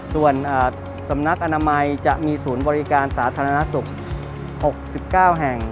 ส่วนสำนักอนามัยจะมีศูนย์บริการสาธารณสุข๖๙แห่ง